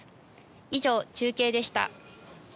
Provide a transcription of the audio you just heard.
以上、中継でした。